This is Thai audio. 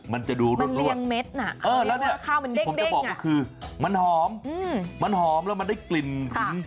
มันจะดูมันเลี้ยงเม็ดน่ะเออแล้วเนี่ยข้าวมันเด้งอ่ะที่ผมจะบอกก็คือมันหอมมันหอมแล้วมันได้กลิ่นค่ะ